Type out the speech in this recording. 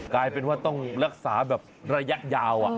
กลายเป็นว่าต้องรักษาแบบระยะยาว